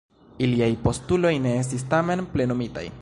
Iliaj postuloj ne estis tamen plenumitaj.